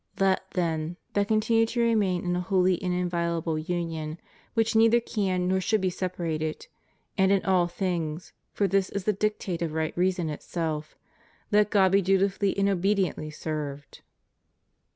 Let, then, that continue to remain in a holy and inviolable union, which neither can nor should be sepa rated; and in all things — for this is the dictate of right reason itself— let God be dutifully and obediently served.